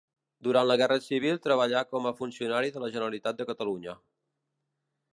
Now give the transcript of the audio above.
Durant la guerra civil treballà com a funcionari de la Generalitat de Catalunya.